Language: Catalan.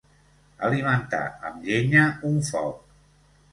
Alimentar amb llenya un foc.